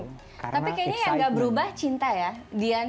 tapi kayaknya yang gak berubah cinta ya dian